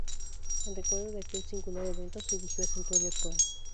En recuerdo de aquel singular evento se erigió el santuario actual.